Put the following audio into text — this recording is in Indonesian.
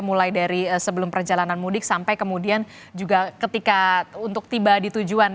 mulai dari sebelum perjalanan mudik sampai kemudian juga ketika untuk tiba di tujuan